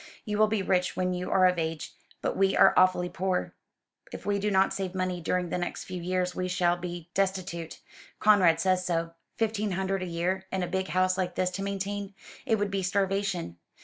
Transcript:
You will be rich when you are of age, but we are awfully poor. If we do not save money during the next few years we shall be destitute. Conrad says so. Fifteen hundred a year, and a big house like this to maintain. It would be starvation.